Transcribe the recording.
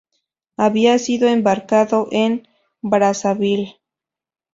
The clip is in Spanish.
Había sido embarcado en Brazzaville.